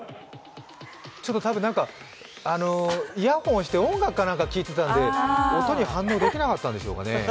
ちょっと多分イヤホンをして音楽か何か聴いていたんで音に反応できなかったんでしょうかね。